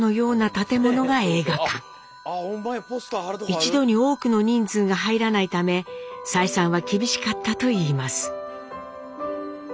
一度に多くの人数が入らないため採算は厳しかったといいます。